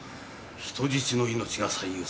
人質の命が最優先だ。